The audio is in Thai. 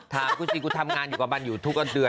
ถามกูสิกูทำงานอยู่ขวังบรรยากิจบันที่อยู่ทุกละเดือน